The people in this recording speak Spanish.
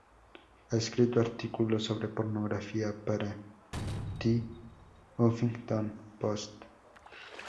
Ha escrito artículos sobre pornografía para "The Huffington Post".